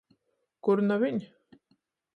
Kurnavīn.